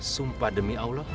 sumpah demi allah